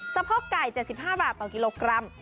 พ่อไก่๗๕บาทต่อกิโลกรัม